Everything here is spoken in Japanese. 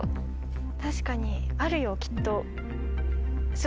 確かにあるよきっと。